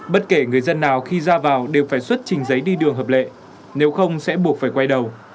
bất kể người dân nào khi ra vào đều phải xuất trình giấy đi đường hợp lệ nếu không sẽ buộc phải quay đầu